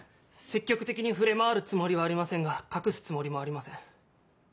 積極的に触れ回るつもりはありませんが隠すつもりもありません。